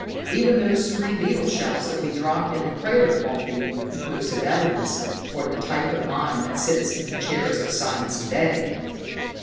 Even those three beetle shells that we dropped in the crater won't be conclusive evidence for the type of mind that sits in the chairs of science to day.